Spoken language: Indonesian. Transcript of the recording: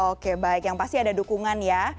oke baik yang pasti ada dukungan ya